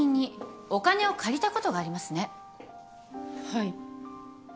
はい。